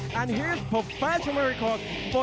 และนี่คือโปรแฟชันมีรีคอร์ส